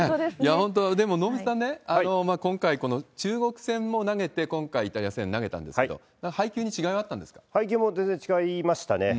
本当、でも、能見さん、今回、この中国戦も投げて、今回イタリア戦投げたんですけど、配球に違配球も全然違いましたね。